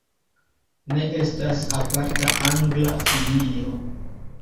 Ne estas aparta angla filio.